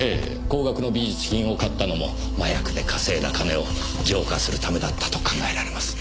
高額の美術品を買ったのも麻薬で稼いだ金を浄化するためだったと考えられます。